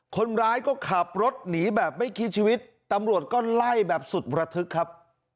คนร้ายก็ขับรถหนีแบบไม่คิดชีวิตตำรวจก็ไล่แบบสุดระทึกครับ